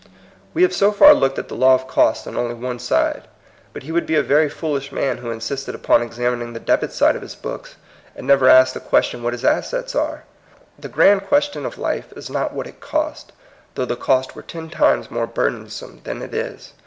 We have so far looked at the law of cost on only one side. But he would be a veiy foolish man who insisted upon examining the debit side of his books, and never asked the question what his assets are. The grand question of life is not what it costs, though the cost were ten times more burdensome than it is.